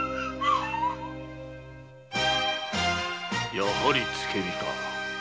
やはり「つけ火」か。